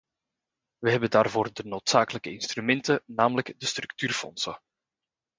Wij hebben daarvoor de noodzakelijke instrumenten, namelijk de structuurfondsen.